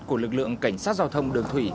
của lực lượng cảnh sát giao thông đường thủy